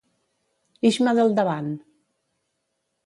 Ix-me del davant!